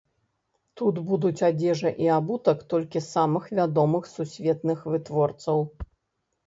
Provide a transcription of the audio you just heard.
Тут будуць адзежа і абутак толькі самых вядомых сусветных вытворцаў.